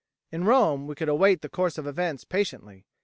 In Rome we could await the course of events patiently.